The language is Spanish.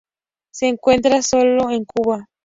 Se encuentra sólo en Cuba.